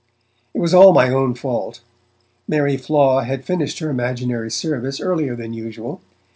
It was all my own fault. Mary Flaw had finished her imaginary service earlier than usual.